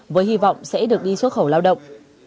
với hy vọng sẽ được đi xuất khẩu lao động